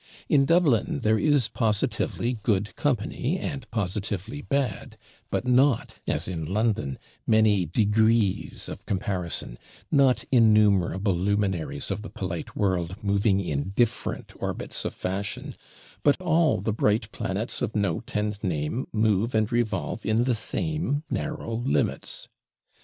In Dublin there is positively good company, and positively bad; but not, as in London, many degrees of comparison: not innumerable luminaries of the polite world, moving in different orbits of fashion, but all the bright planets of note and name move and revolve in the same narrow limits.